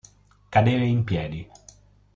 Cadere in piedi.